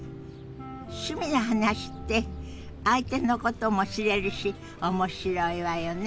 趣味の話って相手のことも知れるし面白いわよね。